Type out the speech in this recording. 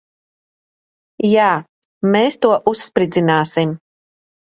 Jā. Mēs to uzspridzināsim.